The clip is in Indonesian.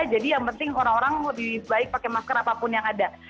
jadi yang penting orang orang lebih baik pakai masker apapun yang ada